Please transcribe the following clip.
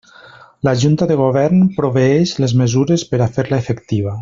La Junta de Govern proveeix les mesures per a fer-la efectiva.